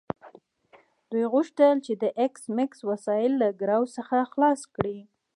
دوی غوښتل چې د ایس میکس وسایل له ګرو څخه خلاص کړي